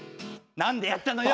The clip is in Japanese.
なんでやったのよ